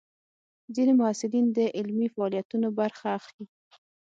ځینې محصلین د علمي فعالیتونو برخه اخلي.